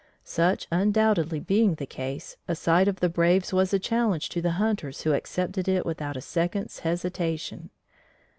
Such undoubtedly being the case, a sight of the braves was a challenge to the hunters who accepted it without a second's hesitation.